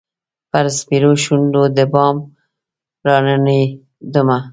پر سپیرو شونډو د بام راننېدمه